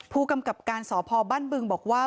ผู้กำกับการสพบ้านบึงบอกว่า